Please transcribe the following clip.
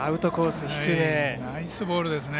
ナイスボールですね。